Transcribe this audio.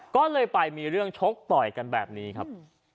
ก็เลยไปมีเรื่องชกต่อยกันแบบนี้ครับ